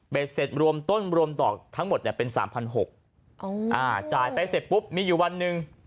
ไปเศษรวมต้นรวมต่อทั้งหมดแอบเป็น๓๖๐๐จ่ายไปเสพงมีอยู่วัน